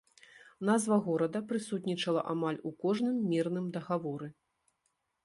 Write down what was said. Назва горада прысутнічала амаль у кожным мірным дагаворы.